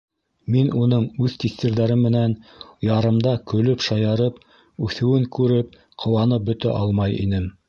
Мин уның үҙ тиҫтерҙәре менән ярымда көлөп-шаярып үҫеүен күреп, ҡыуанып бөтә алмай инем.